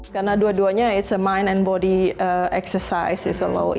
karena dua duanya itu berdasarkan eksersis otot dan badan